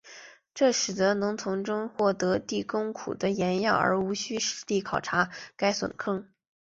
这使得能从其中获得第谷坑的岩样而无需实地勘查该陨坑。